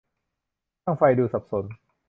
ช่างไฟดูสับสน